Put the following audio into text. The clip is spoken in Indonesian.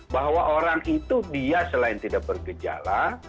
bahwa orang itu dia selain tidak bergejala